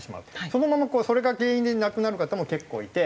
そのままこうそれが原因で亡くなる方も結構いて。